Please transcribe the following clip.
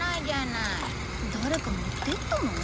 誰か持っていったな。